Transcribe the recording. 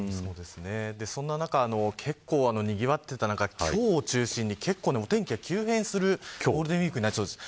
そんな中結構にぎわっていた中今日を中心に結構、天気が急変するゴールデンウイークになりそうです。